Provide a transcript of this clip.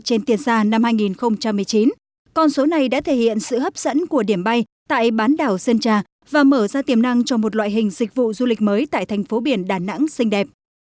trên tiền xa năm hai nghìn một mươi chín con số này đã thể hiện sự hấp dẫn của điểm bay tại bán đảo sơn trà và mở ra tiềm năng cho một loại hình dịch vụ du lịch mới tại thành phố biển đà nẵng xinh đẹp